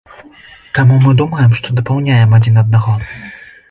Таму мы думаем, што дапаўняем адзін аднаго.